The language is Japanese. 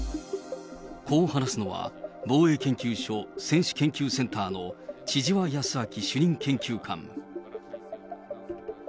こう話すのは、防衛研究所研究センターの千々和泰明主任研究官。